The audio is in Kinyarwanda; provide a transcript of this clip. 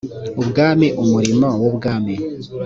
ubwami umurimo w ubwami